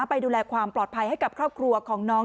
ไปดูแลความปลอดภัยให้กับครอบครัวของน้อง